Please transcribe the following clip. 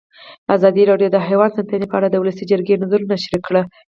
ازادي راډیو د حیوان ساتنه په اړه د ولسي جرګې نظرونه شریک کړي.